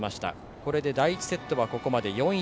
これで第１セットはここまで４−１。